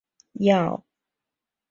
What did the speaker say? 要转乘小缆车